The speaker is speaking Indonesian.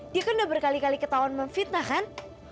dia kan udah berkali kali ketahuan memfitnah kan